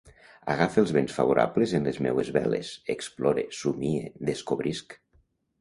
Agafe els vents favorables en les meues veles. Explore. Somie. Descobrisc.